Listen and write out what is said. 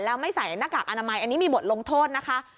แล้วไม่ใส่หน้ากากอนามัยอันนี้มีบทลงโทษนะคะ